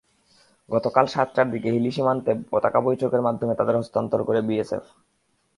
গতকাল সাতটার দিকে হিলি সীমান্তে পতাকা বৈঠকের মাধ্যমে তাঁদের হস্তান্তর করে বিএসএফ।